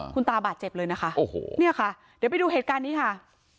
คุณตาบาดเจ็บเลยนะคะโอ้โหเนี่ยค่ะเดี๋ยวไปดูเหตุการณ์นี้ค่ะ